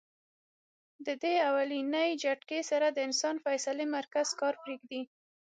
د دې اولنۍ جټکې سره د انسان د فېصلې مرکز کار پرېږدي -